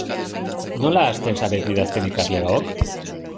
Nola hasten zarete idazten ikasleok?